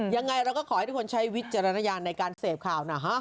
ยังไงเราก็ขอให้ทุกคนใช้วิจารณญาณในการเสพข่าวนะฮะ